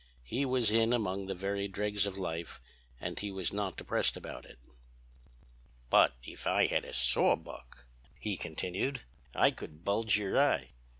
He was in among the very dregs of life, and he was not depressed about it. "'But if I had a sawbuck," he continued, "I could bulge your eye